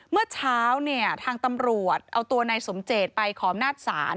เมื่อเช้าทางตำรวจเอาตัวนายสมเจตไปขอบหน้าสาร